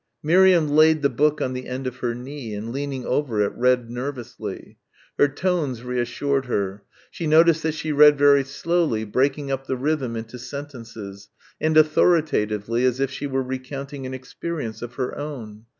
Miriam laid the book on the end of her knee, and leaning over it, read nervously. Her tones reassured her. She noticed that she read very slowly, breaking up the rhythm into sentences and authoritatively as if she were recounting an experience of her own.